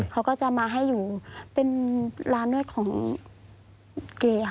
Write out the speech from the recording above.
เขาก็จะมาให้อยู่เป็นร้านนวดของเกย์ค่ะ